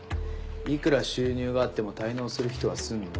いくら収入があっても滞納する人はするの。